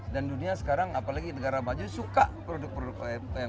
dan dunia sekarang apalagi negara maju suka produk produk umkm